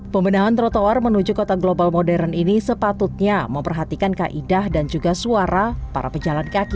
pembenahan trotoar menuju kota global modern ini sepatutnya memperhatikan kaidah dan juga suara para pejalan kaki